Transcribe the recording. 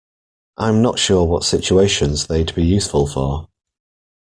I'm not sure what situations they'd be useful for.